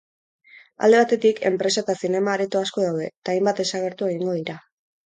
Alde batetik, enpresa eta zinema-areto asko daude eta hainbat desagertu egingo dira.